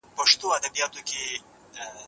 د مڼې را لویدو فکر د ځمکې د جاذبې کشف ته ورساوه.